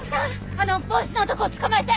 あの帽子の男を捕まえて！